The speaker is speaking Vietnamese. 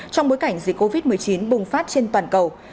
trong bối cảnh dịch covid một mươi chín bùng phát trên toàn cầu